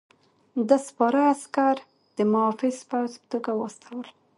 ده سپاره عسکر د محافظ پوځ په توګه واستول.